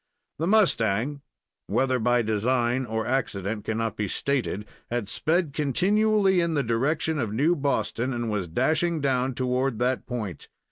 The mustang (whether by design or accident cannot be stated) had sped continually in the direction of New Boston, and was dashing down toward that point.